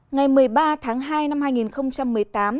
ngày một mươi ba tháng hai năm hai nghìn một mươi tám